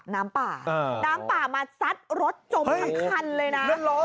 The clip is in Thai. น้ำป่ามาซัดรถจมกันคันเลยนะ